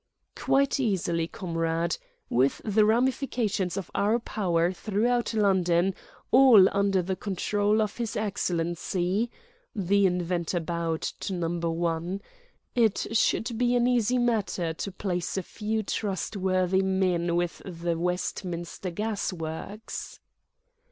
"Quite easily, comrade: with the ramifications of our power throughout London, all under the control of his Excellency"—the inventor bowed to Number One—"it should be an easy matter to place a few trustworthy men with the Westminster gas works."